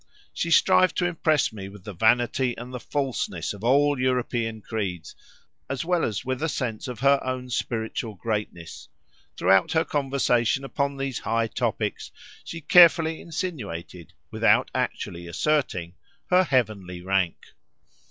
She strived to impress me with the vanity and the falseness of all European creeds, as well as with a sense of her own spiritual greatness: throughout her conversation upon these high topics she carefully insinuated, without actually asserting, her heavenly rank.